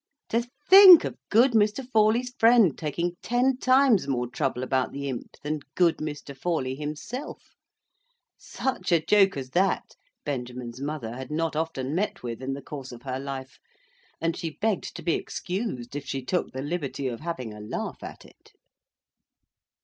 To think of good Mr. Forley's friend taking ten times more trouble about the imp than good Mr. Forley himself! Such a joke as that, Benjamin's mother had not often met with in the course of her life, and she begged to be excused if she took the liberty of having a laugh at it.